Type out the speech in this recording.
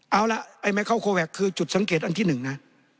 เอาล่ะไอ้ไมเคิลโคแวคคือจุดสังเกตอันที่หนึ่งนะ